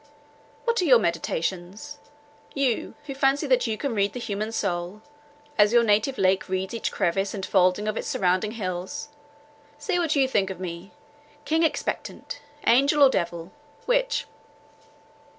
What are your meditations? You, who fancy that you can read the human soul, as your native lake reads each crevice and folding of its surrounding hills—say what you think of me; king expectant, angel or devil, which?"